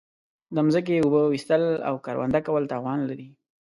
د زمکی اوبه ویستل او کرونده کول تاوان لری